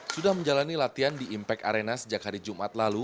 sudah menjalani latihan di impact arena sejak hari jumat lalu